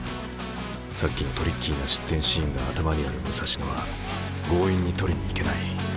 さっきのトリッキーな失点シーンが頭にある武蔵野は強引に取りに行けない。